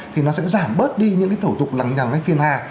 thì nó sẽ giảm bớt đi những cái thủ tục lằng nhằng hay phiền hà